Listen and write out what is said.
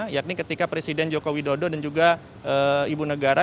yakni ketika presiden joko widodo dan juga ibu negara